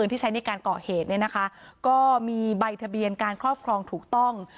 ที่ใช้ในการก่อเหตุเนี่ยนะคะก็มีใบทะเบียนการครอบครองถูกต้อง